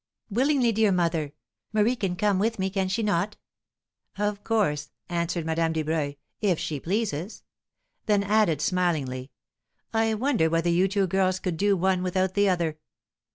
"Willingly, dear mother! Marie can come with me, can she not?" "Of course," answered Madame Dubreuil, "if she pleases." Then added, smilingly, "I wonder whether you two girls could do one without the other!"